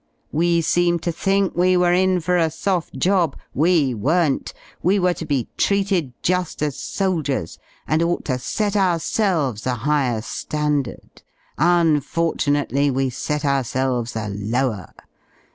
We seemed to thmk we were mfor a soft job. We weren^t; we were to he treated juft as soldiers y and ought to set ourselves a higher Standard: unfortunately we set our selves a lower.